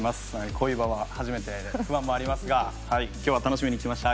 こういう場は初めてで不安もありますが今日は楽しみに来ました。